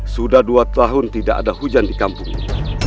sudah dua tahun tidak ada hujan di kampung ini